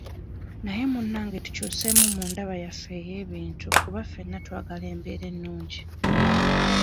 Naye munnange tukyuseemu mu ndaba yaffe ey'ebintu kuba ffena twagala embeera ennungi.